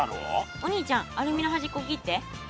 お兄ちゃんアルミのはじっこ切って。